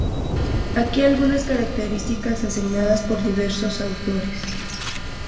Aquí algunas características asignadas por diversos autores.